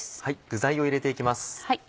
具材を入れて行きます。